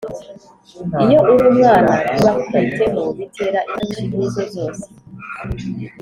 Iyo uri umwana ntibakwiteho bitera ingaruka nyinshi nkizo zose